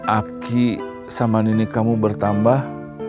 aki sama nenek kamu bertambah